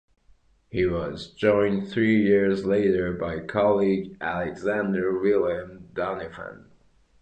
He was joined three years later by colleague Alexander William Doniphan.